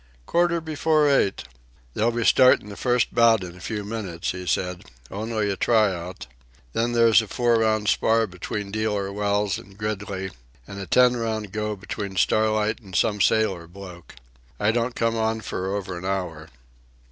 "Quarter before eight." "They'll be startin' the first bout in a few minutes," he said. "Only a try out. Then there's a four round spar 'tween Dealer Wells an' Gridley, an' a ten round go 'tween Starlight an' some sailor bloke. I don't come on for over an hour."